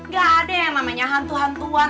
gak ada yang namanya hantu hantuan